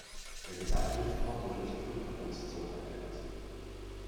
Der gesamte Luftraum wurde zur Flugverbotszone erklärt.